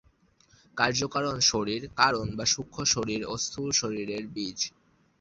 কার্যকারণ শরীর "কারণ বা সূক্ষ্ম শরীর ও স্থূল শরীরের" বীজ।